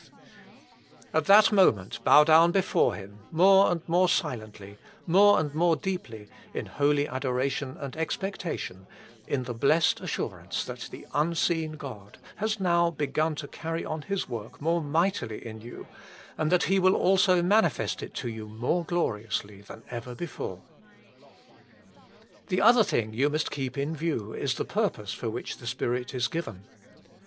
1 1 John xx. 22. 164 THE FULL BLESSING OF PENTECOST At that moment bow down before Him, more and more silently, more and more deeply, in holy adoration and expectation, in the blessed assur ance that the unseen God has now begun to carry on His work more mightily in you, and that He will also manifest it to you more gloriously than ever before. The other thing you must keep in view is the purpose for which the Spirit is given.